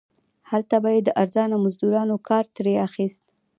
هلته به یې د ارزانه مزدورانو کار ترې اخیست.